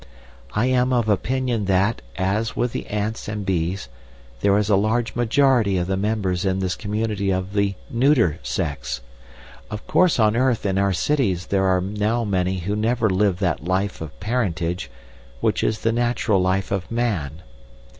I am of opinion that, as with the ants and bees, there is a large majority of the members in this community of the neuter sex. Of course on earth in our cities there are now many who never live that life of parentage which is the natural life of man.